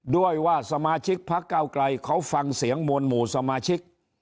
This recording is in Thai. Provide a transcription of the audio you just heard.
ด้วยว่าสมาชิกพักเก้าไกลเขาฟังเสียงมวลหมู่สมาชิก